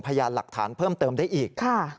พยานหลักฐานเพิ่มเติมได้อีก